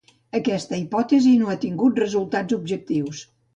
Aquesta hipòtesi no ha tingut resultats objectius.